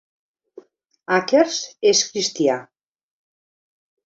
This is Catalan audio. Akers és cristià.